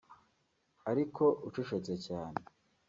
ariko ucecetse cyane